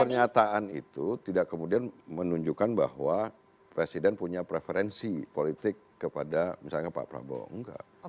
pernyataan itu tidak kemudian menunjukkan bahwa presiden punya preferensi politik kepada misalnya pak prabowo enggak